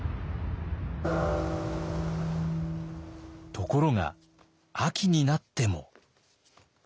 ところが秋になっても。